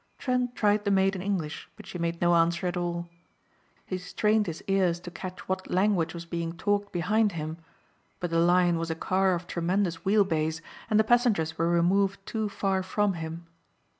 Trent tried the maid in English but she made no answer at all. He strained his ears to catch what language was being talked behind him but the Lion was a car of tremendous wheel base and the passengers were removed too far from him.